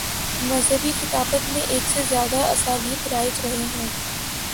مذہبی خطابت میں ایک سے زیادہ اسالیب رائج رہے ہیں۔